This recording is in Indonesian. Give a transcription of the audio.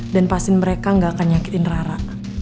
dan pastinin mereka kayak gak akan nyangkitin rara